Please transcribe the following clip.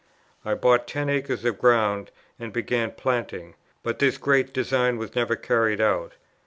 I bought ten acres of ground and began planting; but this great design was never carried out.